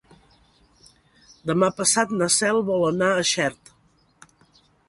Demà passat na Cel vol anar a Xert.